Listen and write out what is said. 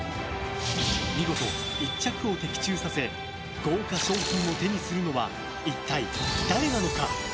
見事１着を的中させ豪華賞品を手にするのは一体誰なのか？